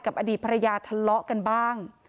อดีตภรรยาทะเลาะกันบ้าง